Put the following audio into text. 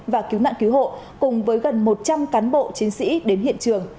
và cứu nạn cứu hộ cùng với gần một trăm linh cán bộ chiến sĩ đến hiện trường